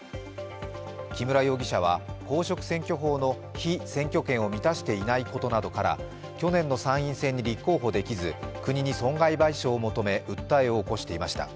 木村容疑者は公職選挙法の被選挙権を満たしていないことなどから去年の参院選に立候補できず、国に損害賠償を起こし訴えを起こしていました。